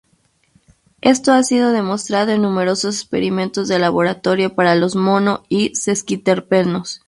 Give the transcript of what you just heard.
Esto ha sido demostrado en numerosos experimentos de laboratorio para los mono y sesquiterpenos.